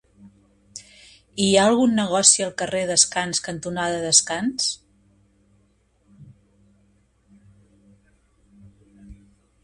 Hi ha algun negoci al carrer Descans cantonada Descans?